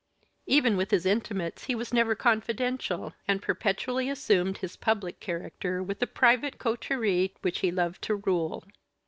Even with his intimates he was never confidential, and perpetually assumed his public character with the private coterie which he loved to rule.